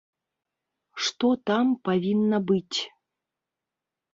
Што там павінна быць?